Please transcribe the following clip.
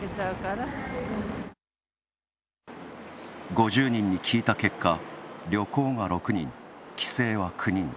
５０人に聞いた結果、旅行が６人、帰省は９人。